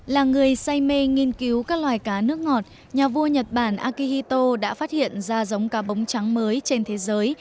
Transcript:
là người say mê nghiên cứu các loài cá nước ngọt nhà vua nhật bản akihito đã phát hiện ra giống cá bống trắng mới trên thế giới